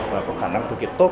và có khả năng thực hiện tốt